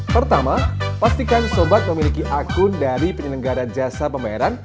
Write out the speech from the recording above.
pertama pastikan sobat memiliki akun dari penyelenggara jasa pembayaran